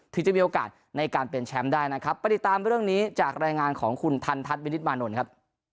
ถึงจะมีโอกาสในการเป็นแชมป์ได้นะครับไปติดตามเรื่องนี้จากรายงานของคุณทันทัศน์วินิตมานนท์ครับ